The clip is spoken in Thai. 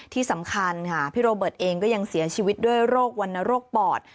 ที่สำคัญค่ะพี่โรเบิร์ตเองก็ยังเสียชีวิตด้วยโรควรรณโรคปอด